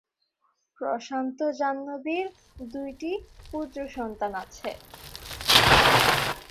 প্রশান্ত-জাহ্নবীর দুইটি পুত্রসন্তান আছে।